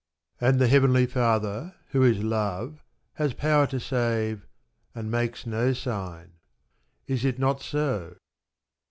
And the Heavenly Father, who is Love, has power to save, and makes no sign. Is it not so?